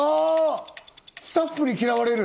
スタッフに嫌われる。